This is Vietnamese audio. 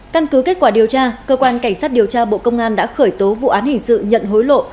căn cứ kết quả điều tra cơ quan cảnh sát điều tra bộ công an đã khởi tố vụ án hình sự nhận hối lộ